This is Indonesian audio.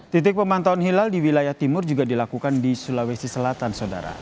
titik pemantauan hilal di wilayah timur juga dilakukan di sulawesi selatan saudara